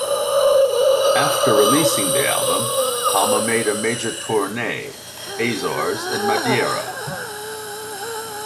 After releasing the album, Palma made a major Tournee, Azores and Madeira.